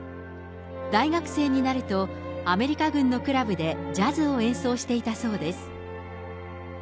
大学生になると、アメリカ軍のクラブでジャズを演奏していたそうです。